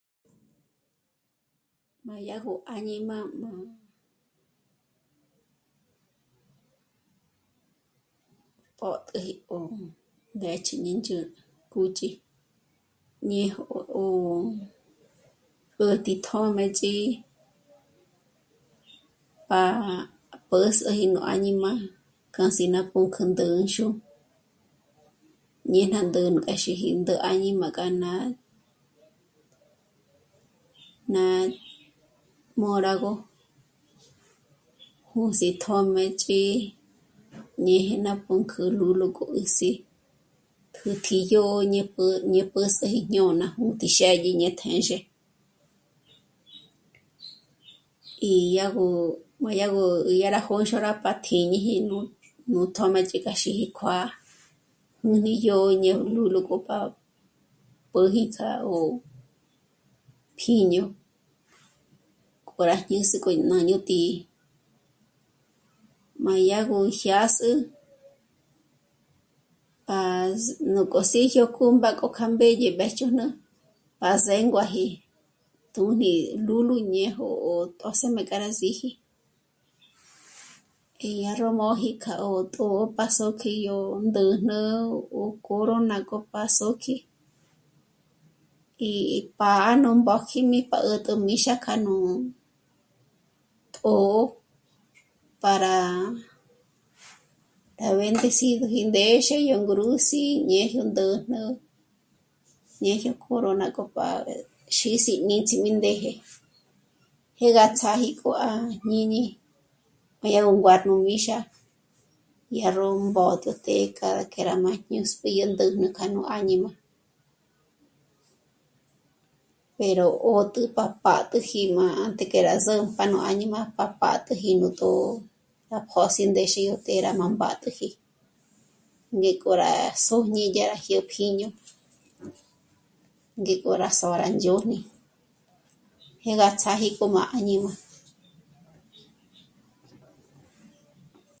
Má yá gó áñima mó... pö̀'tjüji pò ndéch'i mí ndzhǚnü, kúchi ñejo 'o'o pǚtji tjö́mëch'i, pá'a pä̌s'üji nú áñima casi ná pǔnk'ü ndä̌xü ñe ná ndéjnu k'a xíji ndó áñima k'a ná, ná mǒrágö jǔsi tjö́mëch'i ñéje ná pǔnk'ü lúlu kôb'ü sí' pjǘtji yó ñé pǘ'ü ñe pä̌s'üji jñôn'a pǘnt'ü xë́dyi ñe téndzhe. Í yá gó, má yá gó yá rá jônxôra pát'i níji nú, nú tjö́mëch'i k'a xíji kjuá'a, 'ùni yó ñé'e ó lúlu k'o pa pǘji tsjâ'agö pjíño k'o rá jñés'e k'o ñá yó tǐ'i, má yá gó jyás'ü pás... núk'o síji yó kúmba k'o kjâ'a mbédye mbéjchujn'ü, pá zénguaji tùni lúlu ñejo ó tjṓsejme k'a rá síji. Yá ró mòji k'a ó tjō̌'ō pá sǒkji yó ndä̂jnä o corona k'o pá sǒkji. Ì'i pá'a nú mbójkjimi pá 'ä̀tä míxa k'a nú tjō̌'ō para... a bendecir gí ndéxe, yó ngrǔsi ñé yó ndä̂jnä, ñé yó corona k'o pá xísi nítsjimi ndéje, jé gá tsjâji kjuá'a à jñíñi má yá gó nguârü nú míxa, yá ró mbótjo të́'ë k'a k'e rá má jñú'si yó ndä̂jnä kja nú áñima, pero 'ótü pa p'átüji má të̌k'e rá s'òpa nú áñima pa p'átüji nú tjō̌'ō, pa pjö́s'i ndéxe yó të́'ë rá má mbátüji, ngék'o rá sójñe yá yó pjíño, ngék'o rá sô'o rá ndzhón'i jé gá tsjâji k'o má áñima